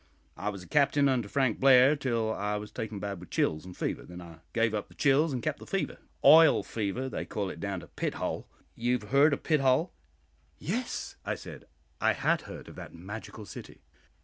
"I was a captain under Frank Blair, till I was taken bad with chills and fever; then I gave up the chills and kept the fever 'oil fever' they call it down to Pithole you've heard of Pithole?" "Yes," I said, I had heard of that magical city.